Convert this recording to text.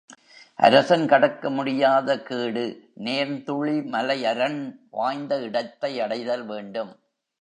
அரசன் கடக்க முடியாத கேடு நேர்ந்துழி மலையரண் வாய்ந்த இடத்தையடைதல் வேண்டும்.